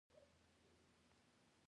خوشالي په دې باور کې پیدا کړم.